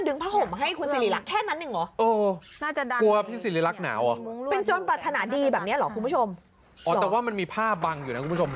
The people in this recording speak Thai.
แต่ว่ามันมีผ้าบังอยู่นะคุณผู้ชม